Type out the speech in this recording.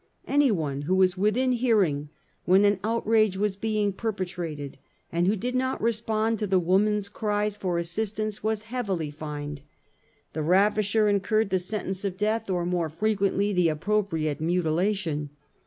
Anyone who was within hearing when an outrage was being perpetrated, and who did not respond to the woman's cries for assistance, was heavily Ill fined. The ravisher incurred the sentence of death or, more frequently, the appropriate mutilation.